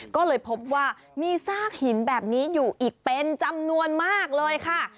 ก็เลยพบว่ามีซากหินแบบนี้อยู่อีกเป็นจำนวนมากเลยค่ะ